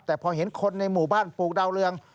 แต่พอเห็นคนในหมู่บ้านปลูกดาวเรือง